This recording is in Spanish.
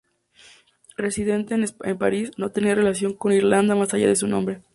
Residente en París, no tenía relación con Irlanda más allá de su nombre.